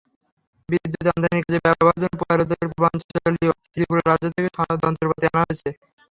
বিদ্যুৎ আমদানির কাজে ব্যবহারের জন্য ভারতের পূর্বাঞ্চলীয় ত্রিপুরা রাজ্য থেকে যন্ত্রপাতি আনা হয়েছে।